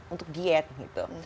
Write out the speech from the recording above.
untuk diet gitu